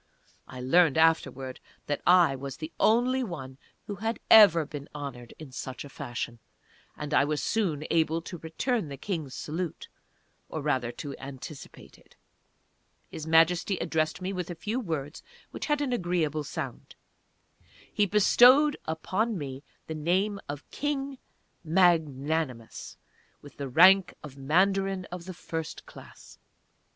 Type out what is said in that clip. _ (I learned afterwards that I was the only one who had ever been honoured in such fashion. And I was soon able to return the King's salute, or rather to anticipate it.) His Majesty addressed me with a few words which had an agreeable sound. He bestowed on me the name of "King Magnanimous" with the rank of Mandarin of the First Class.